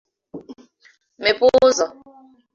mmepe ụzọ